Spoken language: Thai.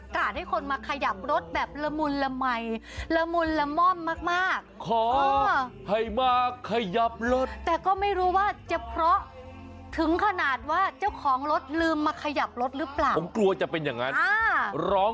ช่วยขยับรถทียังมี๓คันบท๓๕๙๐บรุงเทพมหานคร